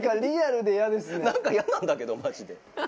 何か嫌なんだけどマジで。